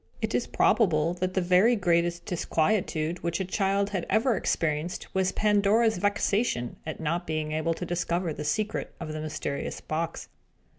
It is probable that the very greatest disquietude which a child had ever experienced was Pandora's vexation at not being able to discover the secret of the mysterious box.